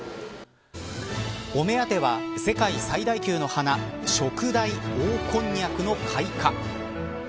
お目当ては世界最大級の花ショクダイオオコンニャクの開花。